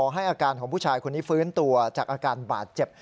ให้อาการของผู้ชายคนนี้ฟื้นตัวจากอาการบาดเจ็บ